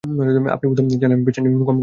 আপনি বোধহয় চান আমি পেশা নিয়ে কম কথা বলি?